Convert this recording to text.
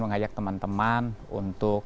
mengajak teman teman untuk